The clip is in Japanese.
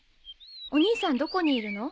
お兄さんどこにいるの？